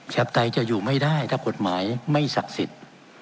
ปไตยจะอยู่ไม่ได้ถ้ากฎหมายไม่ศักดิ์สิทธิ์